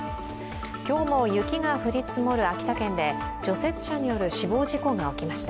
今日もう雪が降り積もる秋田県で除雪車による死亡事故が起きました。